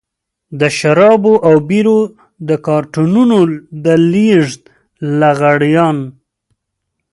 د شرابو او بيرو د کارټنونو د لېږد لغړيان.